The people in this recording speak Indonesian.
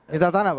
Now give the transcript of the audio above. minta tanah pak